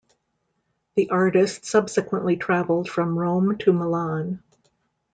The artist subsequently traveled from Rome to Milan.